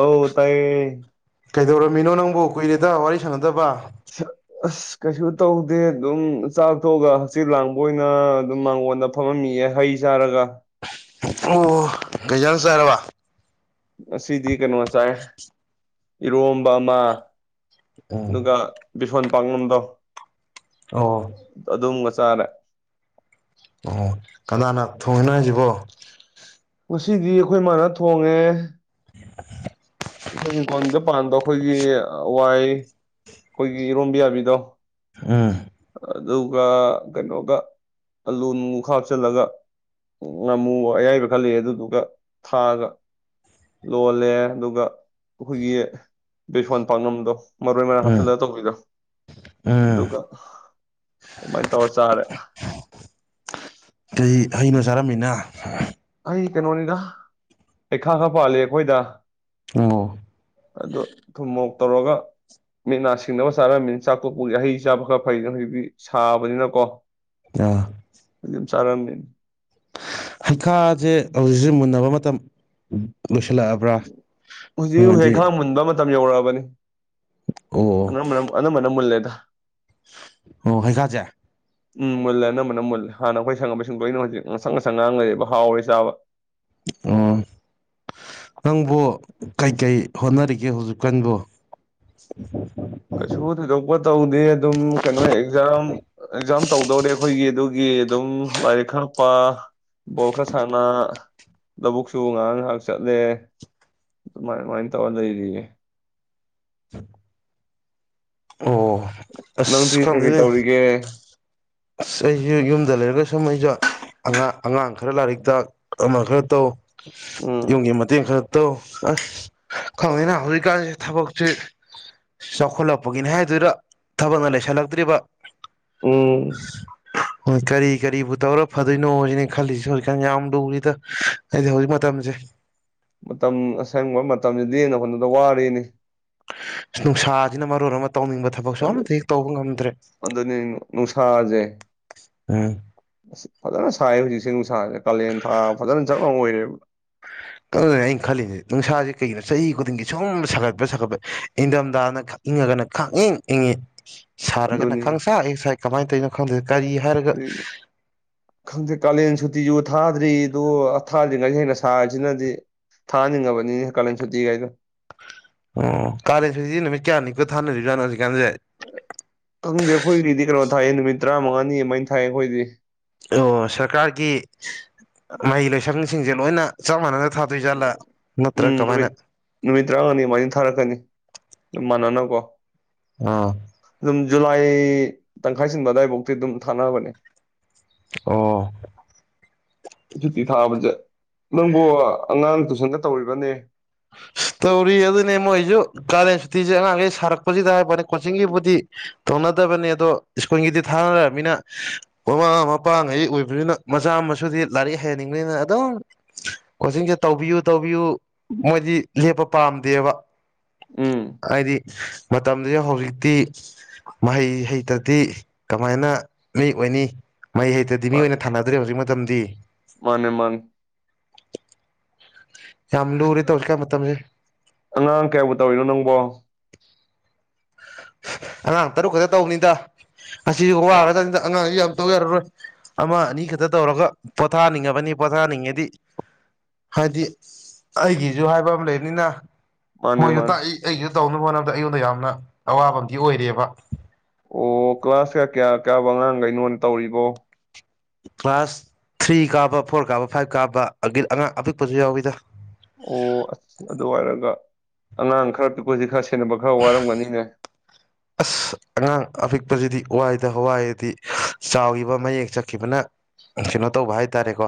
ꯑ ꯇꯥꯏ ꯀꯩꯗꯧꯔꯝꯃꯤꯅꯣ ꯅꯪꯕꯨ ꯀꯨꯏꯔꯦꯗ ꯋꯥꯔꯤ ꯁꯥꯟꯅꯗꯕ ꯑꯁ ꯀꯩꯁꯨ ꯇꯧꯗꯦ ꯑꯗꯨꯝ ꯆꯥꯛꯊꯣꯛꯑꯒ ꯍꯛꯆꯤꯠ ꯂꯥꯡꯕ ꯑꯣꯏꯅ ꯑꯗꯨꯝ ꯃꯥꯡꯒꯣꯟꯜꯗ ꯐꯝꯃꯝꯃꯤꯑ ꯍꯩ ꯆꯥꯔꯒ ꯑꯣ ꯩꯖꯥꯡ ꯁꯥꯔꯔꯕ ꯑꯁ ꯁꯤꯗꯤ ꯀꯩꯅꯣꯁꯥꯏ ꯏꯔꯣꯝꯕꯃ ꯎꯝ ꯑꯗꯨꯒ ꯁꯣꯟ ꯄꯥꯡꯂꯝꯗꯣ ꯑꯣ ꯑꯗꯨ ꯑꯗꯨꯝꯒꯁ ꯆꯂ ꯑꯣ ꯀꯅꯥꯅ ꯊꯣꯡꯍꯟꯅꯁꯤꯕꯣ ꯉꯁꯤꯗꯤ ꯑꯩꯈꯣꯏ ꯃꯥꯅ ꯊꯣꯡꯉꯦ [unintelligible] ꯑꯩꯈꯣꯏꯤꯡ ꯀꯣꯟꯗ ꯄꯥꯟꯗ ꯑꯩꯈꯣꯏꯒꯤ ꯋꯥꯏ ꯑꯩꯈꯣꯏꯒꯤ ꯏꯔꯣꯝꯕꯤ ꯌꯥꯕꯤꯗꯣ ꯎꯥ ꯑꯗꯨꯒ ꯀꯩꯅꯣꯒ ꯑꯥꯂꯨ ꯍꯥꯞꯆꯤꯜꯂꯒ ꯉꯥꯃꯨ ꯑꯌꯥꯏꯕ ꯈ ꯂꯩꯦ ꯑꯗꯨꯗꯨꯒ ꯊꯥꯒ ꯂꯣꯜꯂꯦ ꯑꯗꯨꯒ ꯑꯩꯈꯣꯏꯒꯤ ꯕꯦꯁꯣꯟ ꯄꯥꯛꯅꯝꯗꯣ ꯃꯔꯣꯏ ꯃꯔꯥꯡ ꯎꯝ ꯍꯥꯞꯆꯤꯜꯂꯒ ꯇꯧꯕꯤꯗꯣ ꯎꯝ ꯑꯗꯨꯒ ꯑꯗꯨꯃꯥꯏꯅ ꯇꯧꯔ ꯆꯥꯔꯦ ꯀꯩ ꯍꯩꯅꯣ ꯆꯔꯃꯤꯅ ꯑꯥ ꯑꯩ ꯀꯩꯅꯣꯅꯤꯗ ꯄꯩꯈꯥ ꯈꯔ ꯄꯥꯜꯂꯤ ꯑꯩꯈꯣꯏꯗ ꯑꯣ ꯑꯗꯣ ꯊꯨꯝꯃꯣ ꯇꯧꯔꯒ ꯃꯤꯠ ꯅꯥ ꯁꯤꯡꯅꯕ ꯆꯥꯔꯝꯃꯤꯅ ꯆꯥꯛꯀꯣꯛꯄꯨꯒꯤ ꯍꯩ ꯆꯥꯕ ꯈꯔ ꯐꯩꯅ ꯍꯧꯖꯤꯛꯇꯤ ꯁꯥꯕꯅꯤꯅꯀꯣ ꯑꯥ ꯍꯂꯣ ꯆꯔꯝꯗꯟ ꯍꯪꯒꯥꯥꯁꯦ ꯍꯧꯖꯤꯛꯁꯦ ꯃꯨꯟꯅꯕ ꯃꯇꯝ ꯂꯣꯏꯁꯤꯜꯂꯛꯑꯕ꯭ꯔꯥ ꯍꯥꯏꯗꯤ ꯖ ꯋꯥꯕꯅꯤ ꯑ ꯑꯣ ꯃꯅ ꯑꯅ ꯃꯅ ꯃꯨꯜ ꯂꯩꯦꯇ ꯑꯣ ꯍꯩ ꯀꯁꯦ ꯎꯝ ꯃꯨꯜꯂꯅꯝꯕꯅ ꯃꯨꯜꯂ ꯍꯥꯟꯅ ꯑꯩꯈꯣꯏ ꯁꯪꯉꯛꯄꯁꯤꯡ ꯂꯣꯏꯅ ꯍꯧꯖꯤꯛ ꯉꯁꯪ ꯉꯥꯡꯁꯪ ꯉꯥꯡ ꯂꯩꯕ ꯍꯥꯎꯔꯦ ꯆꯥꯕ ꯑꯣ ꯅꯪꯕꯨ ꯀꯩꯀꯩ ꯍꯣꯠꯅꯔꯤꯒꯦ ꯍꯧꯖꯤꯛꯀꯥꯟꯕꯨ ꯀꯩꯁꯨ ꯊꯣꯏꯗꯣꯛꯄ ꯇꯧꯗꯦ ꯑꯗꯨꯝ ꯀꯩꯅꯣ ꯑꯦꯛꯖꯥꯝ ꯑꯦꯛꯖꯥꯝ ꯇꯧꯗꯧꯔꯦ ꯑꯩꯈꯣꯏꯒꯤ ꯑꯗꯨꯒꯤ ꯑꯗꯨꯝ ꯂꯥꯏꯔꯤꯛ ꯈꯔꯄ ꯕꯣꯜ ꯈꯔ ꯁꯥꯟꯅ ꯂꯧꯕꯨꯛꯁꯨ ꯉꯥꯏꯍꯥꯛ ꯉꯥꯏꯍꯥꯛ ꯆꯠꯂꯦ ꯑꯗꯨꯃꯥꯏ ꯑꯗꯨꯃꯥꯏꯅ ꯇꯧꯔ ꯂꯩꯔꯤꯌꯦ [unintelligible] ꯑꯣ ꯅꯪꯗꯤ ꯑꯁ ꯀꯩꯀꯔꯤ ꯈꯪꯗꯦꯅꯦ ꯇꯧꯔꯤꯒꯦ ꯑꯁ ꯑꯩꯁꯨ ꯌꯨꯝꯗ ꯂꯩꯔꯒ ꯁꯨꯝ ꯑꯩꯁꯨꯥꯡ ꯑꯉꯥꯡ ꯈꯔ ꯂꯥꯏꯔꯤꯛꯇ ꯑꯃ ꯈꯔ ꯇꯧ ꯎꯝ ꯏꯡꯦ ꯃ ꯈ ꯑ ꯑꯁ ꯈꯪꯉꯤꯅ ꯍꯧꯖꯤꯛꯀꯥꯟꯁꯦ ꯊꯕꯛꯁꯤꯦ ꯆꯥꯎꯈꯠꯂꯛꯄꯒꯤꯅꯤ ꯍꯥꯏꯗꯨꯣꯏꯔ ꯊꯕꯛꯅ ꯂꯩꯁꯜꯂꯛꯇ꯭ꯔꯤꯕ ꯎꯝ ꯍ ꯀꯔꯤ ꯀꯔꯤꯕꯨ ꯇꯧꯔ ꯐꯗꯣꯏꯅꯣꯖꯤꯅꯦ ꯈꯜꯂꯤꯁꯦ ꯍꯧꯖꯤꯛꯀꯥꯟ ꯌꯥꯝ ꯂꯨꯔꯤꯗ ꯑꯩꯗꯤ ꯍꯧꯖꯤꯛ ꯃꯇꯝꯁꯦ ꯃꯇꯝ ꯑꯁꯪꯕ ꯃꯇꯝꯁꯤꯗꯤꯦꯟꯅ ꯍꯣꯠꯅꯗ ꯋꯥꯔꯤꯔꯤꯅꯤ ꯅꯨꯡꯁꯥꯁꯤꯅ ꯃꯔ ꯑꯣꯏꯔ ꯑꯗꯨ ꯑꯗꯨꯅꯤ ꯅꯨꯡꯁꯥꯁꯦ ꯎꯝ ꯐꯖꯅ ꯁꯥꯏ ꯍꯧꯖꯤꯛꯁꯦ ꯅꯨꯡꯁꯥꯁꯦ ꯀꯥꯂꯦꯟ ꯊꯥ ꯐꯖꯅ ꯆꯞ ꯑꯃ ꯑꯣꯏꯔꯦꯕ ꯑꯗꯨꯅ ꯑꯩꯅ ꯈꯜꯂꯤꯁꯦ ꯅꯨꯡꯁꯥꯁꯦ ꯀꯩꯒꯤꯅꯣ ꯆꯍꯤ ꯈꯨꯗꯤꯡꯒꯤ ꯁꯨꯝ ꯁꯥꯒꯠꯄ ꯁꯥꯒꯠꯄ ꯏꯪꯊꯝꯊꯥꯅ ꯈ ꯏꯪꯉꯒꯅ ꯈꯛꯏꯪ ꯏꯪꯉꯤ ꯁꯥꯔꯒꯅ ꯈꯪꯁꯥ ꯑꯩ ꯁꯥꯏ ꯀꯃꯥꯏꯅ ꯇꯧꯅꯣ ꯈꯪꯗꯦ ꯀꯔꯤ ꯍꯥꯏꯔꯒ ꯈꯪꯊꯦ ꯀꯂ ꯁꯇꯖ ꯊꯥꯗ꯭ꯔꯤꯗꯣ ꯊꯥꯗ꯭ꯔꯤꯉꯩꯁꯦ ꯍꯦꯟꯅ ꯁꯥꯔꯤꯁꯤꯅꯗꯤ ꯊꯥꯅꯤꯡꯉꯕꯅꯤꯅꯦ ꯀꯥꯂꯦꯟ ꯁꯨꯇꯤꯒꯥꯏꯗꯣ ꯑꯣ ꯀꯥꯂꯦ ꯐꯅ ꯀꯌꯥꯅꯤ ꯀ ꯊꯥꯅꯁꯨꯁꯤ ꯀꯗꯦꯈꯣ ꯔꯔꯤꯗꯤ ꯀꯗ ꯊꯥꯏꯑ ꯅꯨꯃꯤꯠ ꯇꯔꯥꯃꯉꯥꯅꯤ ꯑꯗꯨꯥꯏꯅ ꯊꯥꯏꯑ ꯑꯩꯈꯣꯏꯗꯤ ꯑꯣ ꯁꯔꯀꯥꯔꯒꯤ ꯃꯍꯩ ꯂꯣꯏꯁꯪꯁꯤꯡꯁꯦ ꯂꯣꯏꯅ ꯆꯞ ꯃꯥꯟꯅꯅ ꯊꯥꯗꯣꯏꯖꯥꯠꯂꯥ ꯎꯝ ꯅꯠꯇ꯭ꯔ ꯅꯨꯃꯤꯠ ꯀꯃꯥꯏꯅ ꯅꯨꯃꯤꯠ ꯇꯔꯥꯉꯥꯅꯤ ꯑꯗꯨꯃꯥꯏꯅ ꯊꯥꯔꯛꯀꯅꯤ ꯃꯅꯅ ꯀꯣ ꯑ ꯖꯨꯂꯥꯏ ꯇꯪꯈꯥꯏ ꯁꯤꯟꯕ ꯑꯗꯨꯋꯥꯏꯐꯥꯎꯗꯤꯤ ꯑꯗꯨꯝ ꯊꯥꯅꯅꯕꯅꯦ ꯑꯣ ꯁꯨꯇꯤ ꯊꯥꯕꯁꯦ ꯅꯪꯕꯨ ꯑꯉꯥꯡ ꯇꯨꯏꯁꯟꯒ ꯇꯧꯔꯤꯕꯅꯦ ꯇꯧꯔꯤ ꯑꯗꯨꯅꯦ ꯃꯁꯨ ꯀꯒꯥꯗꯦꯁꯨꯇꯤꯁꯦꯦ ꯁꯔꯛꯄꯁꯤ ꯇꯦꯔꯦ ꯀꯣꯆꯤꯡꯒꯤꯕꯨꯗꯤ ꯇꯧꯅꯗꯕꯅꯤ ꯑꯗꯣ ꯁ꯭ꯀꯨꯜꯒꯤꯗꯤ ꯊꯥꯅꯅꯤꯅ ꯃꯃꯥ ꯃꯄꯥꯉꯩ ꯑꯣꯏꯕꯅꯤꯅ ꯃꯆꯥ ꯃꯨꯗꯤ ꯂꯥꯏꯔꯤꯛ ꯍꯩꯍꯟꯅꯤꯡꯕꯅꯤꯅ ꯑꯗꯨꯝ ꯀꯣꯆꯤꯡꯁꯦ ꯇꯧꯕꯤꯌꯨ ꯇꯧꯕꯤꯌꯨ ꯃꯣꯏꯗꯤ ꯂꯦꯞꯄ ꯄꯥꯝꯗꯦꯕ ꯎꯝ ꯍꯥꯏꯗꯤ ꯃꯇꯝꯗꯨꯗ ꯍꯧꯖꯤꯛꯇꯤ ꯃꯍꯩ ꯍꯩꯇꯗꯤ ꯀꯃꯥꯏꯅ ꯃꯤ ꯑꯣꯏꯅꯤ ꯃꯩ ꯍꯩꯇꯗꯤ ꯃꯤ ꯑꯣꯏꯅ ꯊꯥꯅꯗ꯭ꯔꯦ ꯍꯧꯖꯤꯛ ꯃꯇꯝꯗꯤ ꯃꯥꯅꯦ ꯃꯥꯥꯟ ꯌꯥꯝ ꯂꯨꯔꯦ ꯇꯧꯁꯤꯀꯥꯟ ꯃꯇꯝꯁꯦ ꯑꯉꯥꯡ ꯀꯌꯥꯕꯨ ꯇꯧꯔꯤꯅꯣ ꯅꯪꯕꯣ ꯑꯉꯥꯡ ꯇꯔꯨꯛ ꯈꯛꯇ ꯇꯧꯅꯤꯗ ꯑꯁꯤꯁꯨ ꯋꯥꯔꯀꯅꯤꯗ ꯑꯉꯥꯡꯁꯨ ꯌꯥꯝ ꯇꯧ ꯌꯥꯔꯔꯣꯏ ꯑꯃ ꯑꯅꯤ ꯈꯛꯇ ꯇꯧꯔꯒ ꯄꯣꯊꯥꯅꯤꯡꯉꯕꯅꯤ ꯄꯣꯊꯥꯅꯤꯡꯉꯗꯤ ꯍꯥꯏꯕꯗꯤ ꯑꯩꯒꯤꯁꯨ ꯍꯥꯏꯕ ꯑꯃ ꯂꯩꯕꯅꯤꯅ ꯃꯥꯅꯦ ꯃꯣꯏꯁꯨ ꯃꯥꯅꯦ ꯇꯥꯛ ꯑꯩꯁꯨ ꯇꯧꯅꯕ ꯍꯣꯠꯅꯕꯗ ꯑꯩꯉꯣꯟꯗ ꯌꯥꯝꯅ ꯑꯋꯥꯕꯝꯗꯤ ꯑꯣꯏꯔꯦꯕ ꯑꯣ ꯀ꯭ꯂꯥꯁꯀ ꯀꯌꯥ ꯀꯌꯥꯕ ꯑꯉꯥꯡꯈꯩꯅꯣ ꯇꯧꯔꯤꯕꯣ ꯀ꯭ꯂꯥꯁ ꯊ꯭ꯔꯤ ꯀꯥꯕ ꯐꯣꯔ ꯀꯥꯕ ꯐꯥꯏꯚ ꯀꯥꯕ ꯑ ꯑꯉꯥꯡ ꯑꯄꯤꯛꯄꯁꯨ ꯌꯥꯎꯋꯤꯗ ꯑꯣ ꯑꯁ ꯑꯗꯨ ꯑꯣꯏꯔꯒ ꯑꯉꯥꯡ ꯑꯪꯈꯔꯗꯀꯣꯖꯤꯛ ꯈꯁꯤꯦ ꯁꯦꯟꯅꯕ ꯈꯔ ꯋꯥꯔꯝꯒꯅꯤꯅꯦ ꯑꯁ ꯑꯉꯥꯡ ꯑꯄꯤꯛꯄꯁꯤꯗꯤ ꯋꯥꯏꯗ ꯍꯋꯥꯏꯔꯗꯤ ꯆꯥꯎꯈꯤꯕ ꯃꯌꯦꯛ ꯆꯠꯈꯤꯕꯅ ꯀꯩꯅꯣ ꯇꯧꯕ ꯍꯥꯏꯇꯥꯔꯦꯀꯣ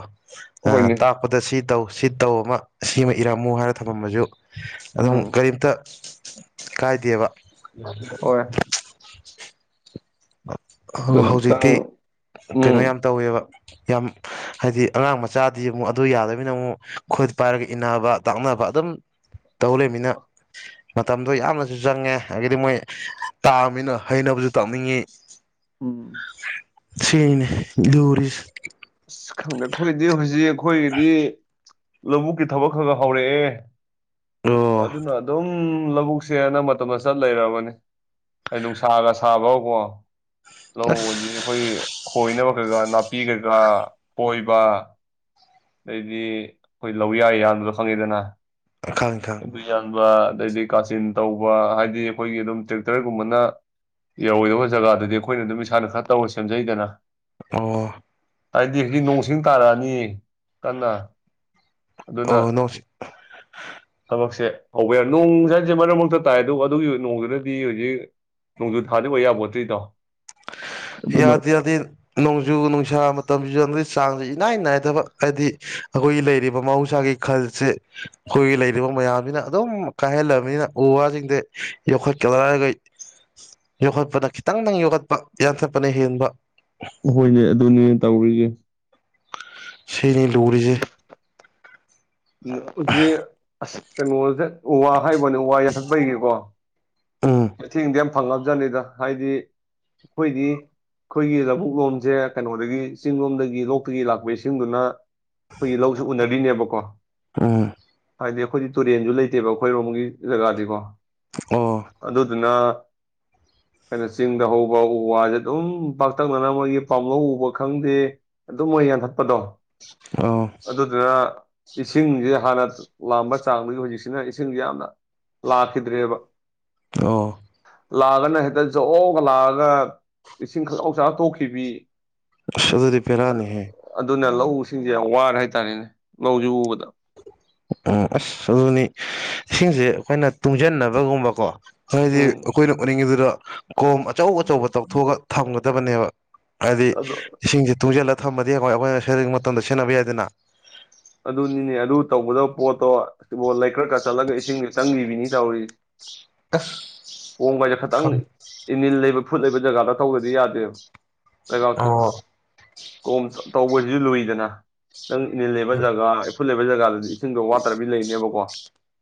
ꯑ ꯍꯣꯏꯅꯦ ꯇꯥꯛꯄꯗ ꯁꯤ ꯇꯧ ꯁꯤ ꯇꯧꯕ ꯑꯃ ꯁꯤꯃ ꯏꯔꯝꯃꯨ ꯍꯥꯏꯔ ꯊꯝꯃꯃꯁꯨ ꯑꯗꯨꯝ ꯎꯝ ꯀꯔꯤꯝꯇ ꯀꯥꯏꯗꯦꯕ ꯃꯥ [unintelligible] [unintelligible] ꯑ ꯑꯗꯨ ꯈꯤꯇꯪ ꯍꯧꯖꯤꯛꯇꯤ ꯀꯩꯅꯣ ꯎꯝ ꯌꯥꯝ ꯇꯧꯋꯦꯕ ꯌꯥꯝ ꯍꯥꯏꯗꯤ ꯑꯉꯥꯡ ꯃꯆꯥꯗꯤ ꯑꯃꯨꯛ ꯑꯗꯨ ꯌꯥꯗꯕꯅꯤꯅ ꯑꯃꯨꯛ ꯈꯨꯣꯏꯠ ꯄꯥꯏꯔꯒ ꯏꯟꯅꯕ ꯇꯥꯛꯅꯕ ꯑꯗꯨꯝ ꯇꯧ ꯂꯩꯃꯤꯅ ꯃꯇꯝꯗꯣ ꯌꯥꯝꯅꯁꯨ ꯆꯪꯉꯦ ꯍꯥꯏꯗꯒꯤꯗꯤ ꯃꯣꯏ ꯇꯥꯕꯅꯤꯅ ꯍꯩꯅꯕꯁꯨ ꯇꯥꯛꯅꯤꯡꯉꯤ ꯎꯝ ꯁꯅꯦ ꯔꯤ ꯑꯁ ꯈꯪꯗꯦ ꯑꯩꯈꯣꯏꯗꯤ ꯍꯧꯖꯤꯛ ꯑꯩꯈꯣꯏꯒꯤꯗꯤ ꯂꯧꯕꯨꯛꯀꯤ ꯊꯕꯛ ꯈꯒ ꯍꯧꯔꯛꯑꯦ ꯑꯣ ꯑꯗꯨꯅ ꯑ ꯑꯗꯨꯝ ꯎ ꯂꯧꯕꯨꯛꯁꯦꯅ ꯃꯇꯝꯗ ꯆꯠ ꯂꯩꯔꯕꯅꯤ ꯑꯩ ꯅꯨꯡꯁꯥꯒ ꯁꯥꯕ꯭ꯔꯥꯎꯀꯣ ꯑꯁ ꯂꯧꯧꯕꯗꯤ ꯑꯩꯈꯣꯏꯒꯤ ꯈꯣꯏꯅꯕ ꯀꯩꯀꯥ ꯅꯥꯄꯤ ꯀꯩꯀꯥ ꯀꯣꯏꯕ ꯑꯗꯩꯗꯤ ꯑꯩꯈꯣꯏ ꯂꯧ ꯌꯥꯏ ꯌꯥꯗꯨꯗ ꯈꯪꯉꯤꯗꯅ ꯈꯪꯉꯦ ꯈꯪꯉꯦ ꯖꯕ ꯑꯗꯩꯗꯤ ꯀꯥꯆꯤꯟ ꯇꯧꯕ ꯍꯥꯏꯗꯤ ꯑꯩꯈꯣꯏꯒꯤ ꯑꯗꯨꯝ ꯇ꯭ꯔꯦꯛꯇꯔꯒꯨꯝꯕꯅ ꯌꯧꯋꯗꯕ ꯖꯒꯥꯗꯗꯤ ꯑꯩꯈꯣꯏꯅ ꯑꯗꯨꯝ ꯏꯁꯥꯅ ꯈꯔ ꯇꯧꯔ ꯁꯦꯝꯖꯩꯗꯅ ꯑꯣ ꯍꯥꯏꯗꯤ ꯍꯥꯏꯗꯤ ꯅꯣꯡꯁꯤꯡ ꯇꯥꯔꯛꯑꯅꯤ ꯀꯟꯅ ꯑꯗꯨꯅ ꯑꯣ ꯅꯣꯡ ꯊꯛꯁꯦ ꯍꯧꯕ ꯌꯥꯔ ꯅꯣꯡ ꯁꯁꯋꯥꯁꯦ ꯃꯔꯛ ꯃꯔꯛꯇ ꯇꯥꯏ ꯑꯗꯨꯒ ꯑꯗꯨꯒꯤ ꯅꯣꯡꯗꯨꯗꯗꯤ ꯍꯧꯖꯤꯛ ꯅꯣꯡꯖꯨ ꯊꯥꯗꯕꯌꯥꯕꯣꯠꯇ꯭ꯔꯤꯗꯣ ꯌꯥꯗꯦ ꯌꯥꯗꯦ ꯅꯣꯡꯖꯨ ꯅꯨꯡꯁꯥ ꯃꯇꯝꯁꯨ ꯆꯪ ꯆꯥꯡꯁꯦ ꯏꯅꯥꯏ ꯅꯥꯏꯗꯕ ꯍꯥꯏꯗꯤ ꯑꯩꯈꯣꯏꯒꯤ ꯂꯩꯔꯤꯕ ꯃꯍꯧꯁꯥꯒꯤ ꯈꯜꯁꯦ ꯑꯩꯈꯣꯏꯒꯤ ꯂꯩꯔꯤꯕ ꯃꯌꯥꯝꯁꯤꯅ ꯑꯗꯨꯝ ꯀꯥꯏꯍꯜꯂꯕꯅꯤꯅ ꯎ ꯋꯥꯁꯤꯡꯁꯦ ꯌꯣꯛꯈꯠꯀꯗꯔꯒꯩ ꯌꯣꯛꯈꯠꯄꯗ ꯈꯤꯇꯪ ꯅꯪ ꯌꯣꯛꯈꯠꯄ ꯌꯥꯁꯄꯅꯤ ꯍꯦꯟꯕ ꯍꯣꯏꯅꯦ ꯑꯗꯨꯅꯦ ꯇꯧꯔꯤꯒꯦ ꯁꯩꯅꯦ ꯗꯣꯛꯔꯤꯁꯦ ꯑꯁꯣꯦ ꯍꯥꯏꯕꯅꯦ ꯋꯥ ꯌꯥꯊꯛꯄꯩꯒꯦꯀꯣ ꯎꯝ ꯑ ꯏꯗꯤ ꯐꯪꯉꯕꯖꯥꯠꯅꯤꯗ ꯍꯥꯏꯗꯤ ꯑꯩꯈꯣꯏꯗꯤ ꯑꯩꯈꯣꯏꯒꯤ ꯂꯧꯕꯨꯛ ꯂꯣꯝꯁꯦ ꯀꯩꯅꯣꯗꯒꯤ ꯆꯤꯡ ꯂꯣꯝꯗꯒꯤ ꯂꯣꯛꯇꯒꯤ ꯂꯥꯛꯄ ꯏꯁꯤꯡꯗꯨꯅ ꯑꯩꯈꯣꯏꯒꯤ ꯂꯧꯁꯤ ꯎꯅꯔꯤꯅꯦꯕꯀꯣ ꯎꯝ ꯍꯥꯏꯗꯤ ꯑꯩꯈꯣꯏꯗꯤ ꯇꯨꯔꯦꯟꯁꯨ ꯂꯩꯇꯦꯕ ꯑꯩꯈꯣꯏꯔꯣꯝꯒꯤ ꯖꯒꯥꯗꯤꯀꯣ ꯑꯣ ꯑꯗꯨꯗꯨꯅ ꯀꯩꯅꯣ ꯆꯤꯡꯗ ꯍꯧꯕ ꯎ ꯋꯥꯁꯦ ꯑꯗꯨꯝ ꯄꯥꯛꯇꯛꯅꯅ ꯃꯣꯏꯒꯤ ꯄꯥꯝꯂꯧ ꯎꯕ ꯈꯪꯗꯦ ꯑꯗꯨꯝ ꯃꯣꯏ ꯌꯥꯟꯊꯠꯄꯗꯣ ꯑꯣ ꯑꯗꯨꯗꯨꯅ ꯏꯁꯤꯡꯁꯦ ꯍꯥꯟꯅ ꯂꯥꯝꯕ ꯆꯥꯡꯗꯒꯤ ꯍꯧꯖꯤꯛꯁꯤꯅ ꯏꯁꯤꯡꯁ ꯌꯥꯝꯅ ꯂꯥꯛꯈꯤꯗ꯭ꯔꯦꯕ ꯑꯣ ꯂꯥꯛꯑꯒꯅ ꯍꯦꯛꯇ ꯖꯒ ꯂꯥꯛꯑꯒ ꯏꯁꯤꯡ ꯈꯛꯥꯎ ꯆꯅ ꯊꯣꯛꯈꯤꯕ ꯁ ꯑꯗꯨꯗꯤ ꯄꯦꯔꯥꯅꯤꯍꯦ ꯑꯗꯨꯅ ꯂꯧꯁꯤꯡꯁꯦ ꯌꯥꯝ ꯋꯥꯔ ꯍꯥꯏꯇꯥꯔꯦꯅꯦ ꯂꯧꯁꯤ ꯎꯕꯗ ꯎꯝ ꯑꯁ ꯑꯗꯨꯅꯤ ꯏꯁꯤꯡꯁꯦ ꯑꯩꯈꯣꯏꯅ ꯇꯨꯡꯁꯤꯟꯅꯕꯒꯨꯝꯕꯀꯣ ꯍꯥꯏꯗꯤ ꯎꯝ ꯑꯩꯈꯣꯏꯅ ꯎꯠꯅꯤꯡꯉꯤꯗꯨꯗ ꯀꯣꯝ ꯑꯆꯧ ꯑꯆꯧꯕ ꯇꯧꯊꯣꯛꯑꯒ ꯊꯝꯒꯗꯕꯅꯦꯕ ꯑꯗ ꯑꯗꯨ ꯁꯤꯁꯦ ꯇꯨꯡꯖꯦ ꯂ ꯊꯝꯃꯗꯤ ꯑꯩꯈꯣꯏ ꯑꯩꯈꯣꯏꯅ ꯁꯩꯔꯦꯡ ꯃꯇꯝꯗ ꯁꯦꯟꯅꯕ ꯌꯥꯏꯗꯅ ꯑꯗꯨꯅꯤꯅꯦ ꯑꯗꯨ ꯇꯧꯒꯗꯕ ꯄꯣꯠꯇꯣ ꯇꯕꯣꯜ ꯂꯩ ꯈ꯭ꯔ ꯀꯥ ꯆꯠꯂꯒ ꯏꯁꯤꯡ ꯆꯪꯗꯕꯤꯅꯤ ꯌꯥꯧꯔꯤ ꯑꯁ ꯍꯣꯡꯕ ꯍꯥꯏꯁꯦ ꯈꯈꯤꯇꯪ ꯈꯪ ꯏꯃꯦꯜ ꯂꯩꯕ ꯐꯨꯠ ꯂꯩꯕ ꯖꯒꯥꯗ ꯇꯧꯗꯗꯤ ꯌꯥꯗꯦꯕ ꯑ ꯂꯩꯕꯥꯛꯇꯤ ꯀꯣꯝ ꯇꯧꯕꯁꯤꯁꯨ ꯂꯨꯏꯗꯅ ꯅꯪ ꯏꯕ ꯖꯒꯥ ꯐꯨꯠ ꯂꯩꯕ ꯖꯒꯥꯗꯨꯗꯤ ꯏꯁꯤꯡꯗꯣ ꯋꯥꯠꯇ꯭ꯔꯕꯤ ꯂꯩꯅꯦꯕꯀꯣ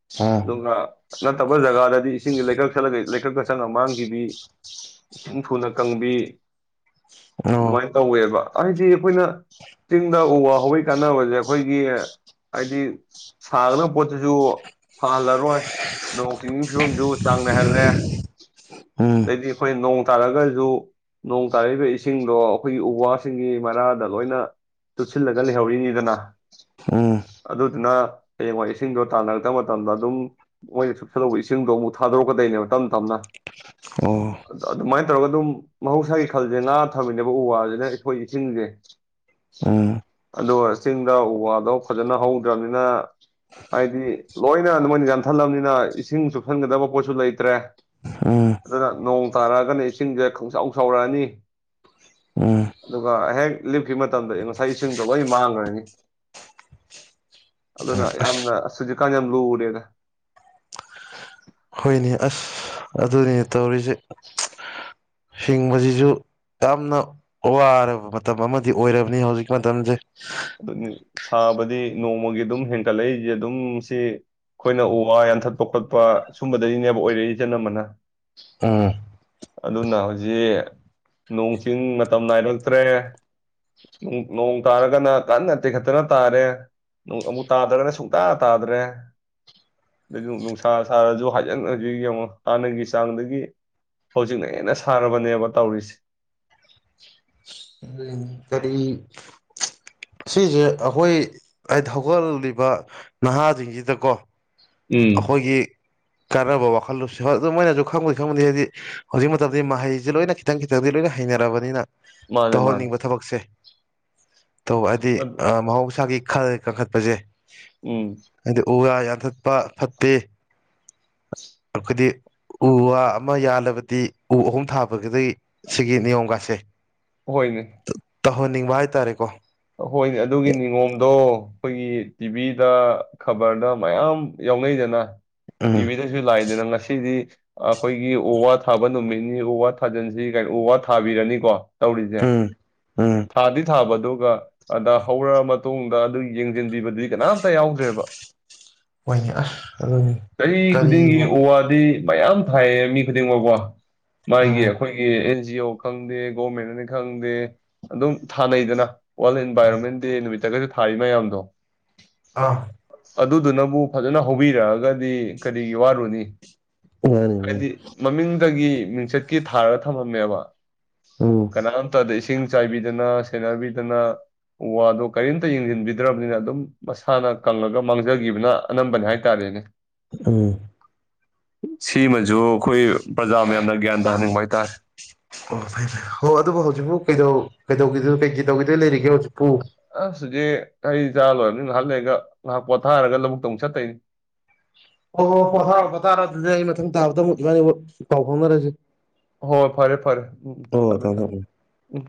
ꯎꯝ ꯑꯗꯨꯒꯉ ꯅ ꯇꯃꯣꯏꯖꯒꯥꯗꯦ ꯏꯁꯤꯡ ꯂꯩꯀꯥꯛ ꯆꯠꯂꯒ ꯀꯀꯪ ꯑꯁꯪ ꯑꯃꯥꯡꯕꯤ ꯏꯁꯤꯡ ꯊꯨꯅ ꯀꯪꯕꯤ ꯑꯣ ꯑꯗꯨꯃꯥꯏꯅ ꯇꯧꯋꯦꯕ ꯍꯥꯏꯗꯤ ꯑꯩꯈꯣꯏꯅ ꯆꯤꯡꯗ ꯎ ꯋꯥ ꯍꯧꯋꯩ ꯀꯥꯟꯅꯕꯁꯦ ꯑꯩꯈꯣꯏꯒꯤ ꯍꯥꯏꯗꯤ ꯁꯥꯒꯗꯕ ꯄꯣꯠꯇꯨꯁꯨ ꯁꯥꯍꯜꯂꯔꯣꯏ ꯅꯣꯡ ꯆꯤꯡꯒꯤ ꯐꯤꯕꯝꯗꯨ ꯆꯥꯡꯅꯅꯥꯍꯜꯂꯦ ꯎꯝ ꯑꯗꯩꯗꯤ ꯑꯩꯈꯣꯏꯣꯡ ꯇꯥꯔꯒꯁꯨ ꯅꯣꯡ ꯇꯥꯔꯛꯏꯕ ꯏꯁꯤꯡꯗꯣ ꯑꯩꯈꯣꯏꯒꯤ ꯎ ꯋꯥꯁꯤꯡꯒꯤ ꯃꯔꯥꯗ ꯂꯣꯏꯅ ꯇꯨꯞꯁꯤꯜꯂꯒ ꯂꯩꯍꯧꯔꯤꯅꯤꯗꯅ ꯎꯝ ꯑꯗꯨꯅ ꯍꯌꯦꯡꯋꯥ ꯏꯁꯤꯡꯗꯣ ꯇꯥꯟꯅꯔꯛꯇꯕ ꯃꯇꯝꯗ ꯑꯗꯨꯝ ꯃꯣꯏꯅ ꯁꯨꯞꯆꯜꯗꯧꯕ ꯏꯁꯤꯡꯗꯣ ꯑꯃꯨꯛ ꯊꯥꯗꯣꯔꯛꯀꯗꯣꯏꯅꯦꯕ ꯇꯞꯅ ꯇꯞꯅ ꯑꯣ ꯑꯗꯨꯃꯥꯏꯅ ꯇꯧꯔꯒ ꯑꯗꯨꯝ ꯃꯍꯧꯁꯥꯒꯤ ꯈꯜꯁꯦ ꯅꯥ ꯊꯝꯃꯤꯅꯦꯕ ꯎ ꯋꯥꯁꯤꯅ ꯑꯩꯈꯣꯏ ꯏꯁꯤꯡꯁꯦ ꯑꯥ ꯑꯗꯣ ꯆꯤꯡ ꯗ ꯎ ꯋꯥꯗꯣ ꯐꯖꯅ ꯍꯧꯗ꯭ꯔꯕꯅꯤꯅ ꯍꯥꯏꯗꯤ ꯂꯣꯏꯅ ꯃꯣꯏꯅ ꯌꯥꯟꯊꯠꯂꯕꯅꯤꯅ ꯏꯁꯤꯡ ꯆꯨꯞꯁꯟꯒꯗꯕ ꯄꯣꯠꯁꯨ ꯂꯩꯇ꯭ꯔꯦ ꯎꯝ ꯑꯗꯨꯅ ꯅꯣꯡ ꯇꯥꯔꯛꯑꯒꯅ ꯏꯁꯤꯡꯁꯦ ꯈꯪꯁꯥꯎ ꯁꯥꯎꯔꯛꯑꯅꯤ ꯎꯝ ꯑꯗꯨꯒ ꯍꯦꯛ ꯂꯤꯞꯈꯤꯕ ꯃꯇꯝꯗ ꯉꯁꯥꯏ ꯏꯁꯤꯡꯗꯣ ꯂꯣꯏ ꯃꯥꯡꯈ꯭ꯔꯅꯤ ꯑꯗꯨꯅ ꯌꯥꯝꯅ ꯁꯨꯖꯤꯛꯀꯥꯟ ꯌꯥꯝ ꯂꯨꯨꯔꯦꯗ ꯍꯣꯏꯅꯦ ꯑꯁ ꯑꯗꯨꯅꯤ ꯇꯧꯔꯤꯁꯦ ꯍꯤꯡꯕꯁꯤꯁꯨ ꯌꯥꯝꯅ ꯋꯥꯔꯕ ꯃꯇꯝ ꯑꯃꯗꯤ ꯑꯣꯏꯔꯕꯅꯤ ꯍꯧꯖꯤꯛ ꯃꯇꯝꯁꯦ ꯑꯗꯨ ꯁꯥꯕꯗꯤ ꯅꯣꯡꯃꯒꯤ ꯑꯗꯨꯝ ꯍꯦꯟꯀꯠꯂꯛꯏꯁꯦ ꯑꯗꯨꯝ ꯁꯤ ꯑꯩꯈꯣꯏꯅ ꯎ ꯋꯥ ꯌꯥꯟꯊꯠꯄ ꯈꯣꯠꯄ ꯁꯨꯝꯕꯗꯗꯒꯤꯅꯦꯕ ꯑꯣꯏꯔꯛꯏꯁꯅꯝꯕꯅ ꯎꯝ ꯑꯗꯨꯅ ꯍꯧꯖꯤꯛ ꯅꯣꯡ ꯆꯤꯡ ꯃꯇꯝ ꯅꯥꯏꯔꯛꯇ꯭ꯔꯦ ꯅꯣꯡ ꯇꯥꯔꯒꯅ ꯀꯟꯅ ꯇꯦꯛꯈꯠꯇꯅ ꯇꯥꯔꯦ ꯑꯃꯨꯛ ꯇꯥꯗ꯭ꯔꯒꯅ ꯁꯨꯡꯇꯥ ꯇꯥꯗ꯭ꯔꯦ ꯑꯗꯒꯤ ꯅꯨꯡꯁꯥ ꯁꯥꯔꯁꯨ ꯍꯥꯏꯖꯤꯟꯖꯤ ꯌꯦꯡꯉ ꯇꯥꯟꯅꯒꯤ ꯆꯥꯡꯗꯒꯤ ꯍꯧꯖꯤꯛꯅ ꯍꯦꯟꯅ ꯁꯥꯔꯕꯅꯦꯕ ꯇꯧꯔꯤꯁꯦ ꯎꯝ ꯀꯔꯤ ꯁꯤꯁꯦ ꯑꯩꯈꯣꯏ ꯍꯥꯏꯗꯤ ꯍꯧꯒꯠꯂꯤꯕ ꯅꯍꯥꯁꯤꯡꯁꯤꯗꯀꯣ ꯎꯝ ꯑꯩꯈꯣꯏꯒꯤ ꯀꯥꯟꯅꯕ ꯋꯥꯈꯜ ꯈꯜꯂꯨꯁꯤ ꯍꯣꯏ ꯑꯗꯨ ꯃꯣꯏꯅꯁꯨ ꯈꯪꯉꯨꯗꯤ ꯈꯪꯕꯨꯗꯤ ꯍꯥꯏꯗꯤ ꯍꯧꯖꯤꯛ ꯃꯇꯝꯗꯤ ꯃꯍꯩꯁꯦ ꯂꯣꯏꯅ ꯈꯤꯇꯪ ꯈꯤꯇꯪꯗꯤ ꯂꯣꯏꯅ ꯍꯩꯅꯔꯕꯅꯤꯅ ꯃꯥꯅꯦ ꯃꯥꯅꯦ ꯇꯧꯍꯟꯅꯤꯡꯕ ꯊꯕꯛꯁꯦ ꯇꯧ ꯍꯥꯏꯗꯤ ꯃꯍꯧꯁꯥꯒꯤ ꯈꯜꯂꯦ ꯀꯥꯈꯠꯄꯁꯦ ꯎꯝ ꯑꯣ ꯌꯥꯊ ꯐ ꯐꯠꯇꯦ ꯑꯩꯈꯣꯏꯗꯤ ꯎ ꯋꯥ ꯑꯃ ꯌꯥꯜꯂꯕꯗꯤ ꯎ ꯑꯍꯨꯝ ꯊꯥꯕꯒꯤꯗ ꯁꯤꯒꯤ ꯅꯤꯌꯣꯝꯒꯥꯥꯁꯦ ꯍꯣꯏꯅꯦ ꯇꯧꯍꯟꯅꯤꯡꯕ ꯍꯥꯏꯇꯥꯔꯦꯀꯣ ꯍꯣꯏꯅꯦ ꯑꯗꯨꯒꯤ ꯅꯤꯉꯣꯝꯗꯣ ꯑꯩꯈꯣꯏꯒꯤ ꯇꯤꯚꯤꯗ ꯈꯕꯔꯗ ꯃꯌꯥꯝ ꯌꯥꯎꯅꯩꯗꯅ ꯎꯝ ꯇꯤꯕꯤꯗꯁꯨ ꯂꯥꯛꯏꯗꯅ ꯉ ꯁꯤꯗꯤ ꯑꯩꯈꯣꯏꯒꯤ ꯎ ꯋꯥ ꯊꯥꯕ ꯅꯨꯃꯤꯠꯅꯤ ꯎ ꯋꯥ ꯊꯥꯖꯤꯟꯁꯤ ꯀꯣ ꯎ - ꯋꯥ ꯊꯥꯕꯤꯔꯅꯤꯀꯣ ꯇꯧꯔꯤꯁꯦ ꯎꯝ ꯎꯝ꯫ ꯊꯥꯕꯗꯨꯒ ꯑꯗ ꯍꯧꯔꯛ ꯃꯇꯨꯡꯗ ꯑꯗꯨ ꯌꯦꯡꯁꯤꯟꯕꯤꯕꯗꯨꯗꯤ ꯀꯅꯥꯝꯇ ꯌꯥꯎꯗ꯭ꯔꯦꯕ꯫ ꯍꯣꯏꯅꯤ ꯑꯁ ꯑꯗꯨ ꯆꯍꯤ ꯈꯨꯗꯤꯡꯒꯤ ꯀꯔꯤꯕꯨ ꯎ ꯋꯥꯗꯤ ꯃꯌꯥꯝ ꯊꯥꯏꯌꯦ ꯃꯤ ꯈꯨꯗꯤꯡꯃꯛꯀꯣ ꯃꯥꯒꯤ ꯎꯝ ꯑꯩꯈꯣꯏꯒꯤ ꯖꯤ ꯈꯪꯗꯦ ꯒꯣꯔꯃꯦꯟꯠꯅꯤ ꯈꯪꯗꯦ ꯑꯗꯨꯝ ꯊꯥꯅꯩꯗꯅ ꯋꯥꯔꯜ ꯏꯟꯚꯔꯃꯦꯟ ꯗꯦ ꯅꯨꯃꯤꯠ [unintelligible] ꯊꯥꯔꯤ ꯃꯌꯥꯝꯗꯣ ꯑꯥ꯫ ꯑꯗꯨꯗꯨꯅꯕꯨ ꯐꯖꯅ ꯍꯧꯕꯤꯔꯛꯑꯒꯗꯤ ꯀꯔꯤꯒꯤ ꯋꯥꯔꯨꯅꯤ ꯃꯥꯅꯤ ꯫ ꯃꯥꯅꯤ ꯍꯥꯏꯗꯤ ꯃꯃꯤꯡꯗꯒꯤ ꯃꯤꯡꯆꯠꯀꯤ ꯊꯥꯔꯒ ꯊꯝꯃꯝꯃꯦꯕ ꯎꯝ ꯫ ꯀꯅꯥꯝ ꯇꯗꯁ ꯏꯁꯤꯡ ꯆꯥꯏꯕꯤꯗꯅ ꯁꯦꯟꯅꯕꯤꯗꯅ ꯎ ꯋꯥꯗꯣ ꯀꯔꯤꯝꯇ ꯌꯦꯡꯁꯤꯟꯕꯤꯗ꯭ꯔꯕꯅꯤꯅ ꯑꯗꯨꯝ ꯃꯁꯥꯅ ꯀꯪꯂꯪꯉꯒ ꯃꯥꯡꯖꯒꯤꯈꯤꯕꯅ ꯑꯅꯝꯕꯅꯦ ꯍꯥꯏꯇꯥꯔꯦꯅꯦ꯫ ꯎꯝ꯫ ꯁꯤꯃꯁꯨ ꯑꯩꯈꯣꯏ ꯄ꯭ꯔꯖꯥ ꯃꯌꯥꯝꯅ ꯒ꯭ꯌꯥꯟ ꯇꯥꯍꯟꯅꯤꯡꯕ ꯍꯥꯏꯇꯥꯔꯦ꯫ ꯑꯣ ꯐꯩ ꯍꯣ ꯑꯗꯨꯕꯨ ꯍꯧꯖꯤꯛꯄꯨ ꯀꯩꯩꯗꯧ ꯀꯩꯗꯧꯒꯤꯗꯣꯏꯅꯣ ꯀꯩ - ꯀꯩ ꯇꯧꯒꯤꯗꯧ ꯂꯩꯔꯤꯒꯦ ꯍꯧꯖꯤꯛꯄꯨ? ꯑꯁ ꯍꯨꯖꯤꯛ ꯍꯩ ꯆꯥ ꯂꯣꯏꯔꯕꯅꯤ ꯅ ꯉꯍꯥꯛ ꯂꯩꯒ ꯉꯍꯥꯛ ꯄꯣꯊꯥꯔꯒ ꯂꯧꯕꯨꯛꯇ ꯑꯃꯨꯛ ꯆꯠꯇꯣꯏꯅꯤ꯫ ꯑꯣ ꯍꯣꯏ- ꯍꯣꯏ ꯍꯔꯛꯄ ꯇꯥꯔ ꯑꯗꯨꯗꯤ ꯑꯩ ꯃꯊꯪ ꯇꯥꯕꯗ ꯑꯃꯨꯛ ꯏꯕꯥꯥꯏꯅꯤ ꯃꯨꯛ ꯄꯥꯎ ꯐꯥꯎꯅꯔꯁꯤ꯫ ꯍꯣꯏ ꯐꯔꯦ- ꯐꯔꯦ ꯎꯝ ꯍꯣ ꯊꯃꯦ- ꯊꯝꯃꯦ ꯊꯃꯦ ꯊꯝꯃꯦ ꯎꯝ꯫